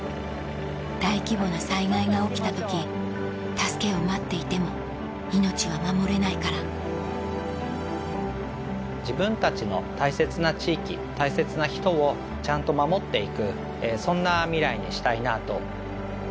大規模な災害が起きた時助けを待っていても命は守れないから自分たちの大切な地域大切な人をちゃんと守って行くそんなミライにしたいなと。